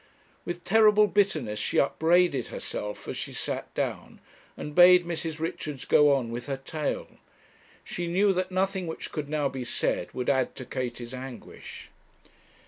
With terrible bitterness she upbraided herself as she sat down and bade Mrs. Richards go on with her tale. She knew that nothing which could now be said would add to Katie's anguish.